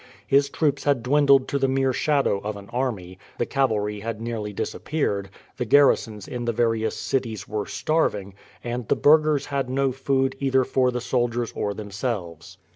His troops had dwindled to the mere shadow of an army, the cavalry had nearly disappeared, the garrisons in the various cities were starving, and the burghers had no food either for the soldiers or themselves.